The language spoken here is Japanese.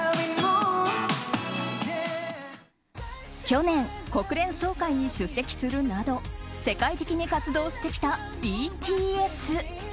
去年、国連総会に出席するなど世界的に活動してきたＢＴＳ。